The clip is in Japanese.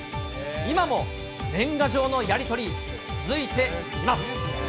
今も年賀状のやり取り、続いています。